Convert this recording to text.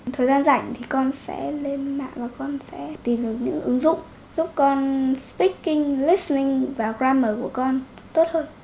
thời gian rảnh thì con sẽ lên mạng và con sẽ tìm được những ứng dụng giúp con speaking listening và grammar của con tốt hơn